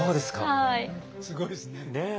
すごいですね。